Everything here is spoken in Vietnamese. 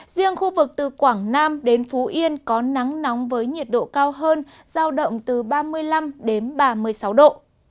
riêng khu vực từ quảng nam đến phú yên có nắng nóng với nhiệt độ cao hơn giao động từ ba mươi năm đến ba mươi sáu độ